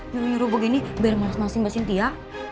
biar nyuruh begini biar males malesin mbak cynthia